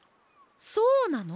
そうなの？